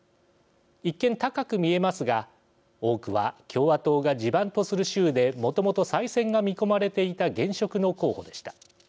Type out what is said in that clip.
一見、高く見えますが多くは、共和党が地盤とする州でもともと再選が見込まれていた現職の候補でした。